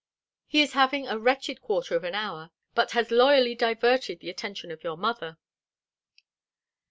He is having a wretched quarter of an hour, but has loyally diverted the attention of your mother."